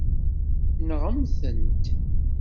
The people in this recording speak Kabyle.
Nɣemt-tent.